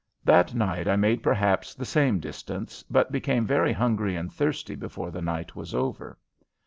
That night I made perhaps the same distance, but became very hungry and thirsty before the night was over.